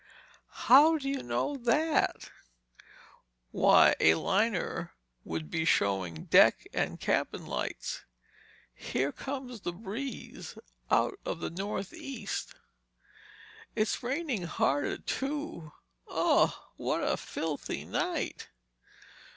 "How do you know that?" "Why, a liner would be showing deck and cabin lights. Here comes the breeze—out of the northeast." "It's raining harder, too. Ugh! What a filthy night."